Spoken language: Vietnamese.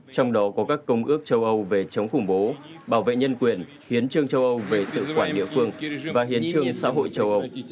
trong đó có các công ước châu âu về chống khủng bố bảo vệ nhân quyền hiến trương châu âu về tự quản địa phương và hiến trương xã hội châu âu